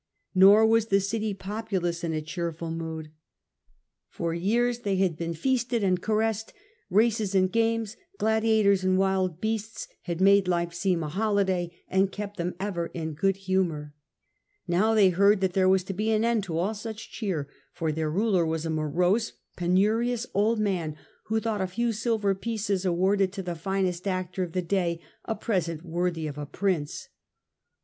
Nor was the city populace in a cheerful mood. For years they had been pneto lans. A.D. 68 69. Galba. 125 feasted and caressed ; races and games, gladiators and wild beasts had made life seem a holiday and kept them ever in good humour. Now they heard that there was to be an end to all such cheer, for their ruler was a morose, penurious old man, who thought a few silver pieces awarded to the finest actor of the day a present worthy of a prince.